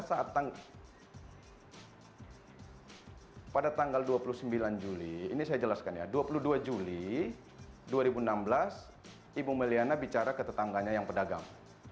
pada tanggal dua puluh sembilan juli ini saya jelaskan ya dua puluh dua juli dua ribu enam belas ibu meliana bicara ke tetangganya yang pedagang